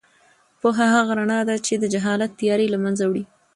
پوهه هغه رڼا ده چې د جهالت تیارې له منځه وړي.